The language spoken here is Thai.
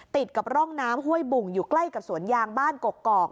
ติดกับร่องน้ำห้วยบุ่งอยู่ใกล้กับสวนยางบ้านกกอก